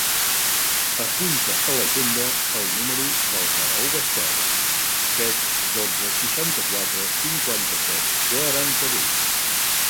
Apunta a l'agenda el número del Guerau Basterra: set, dotze, seixanta-quatre, cinquanta-set, quaranta-vuit.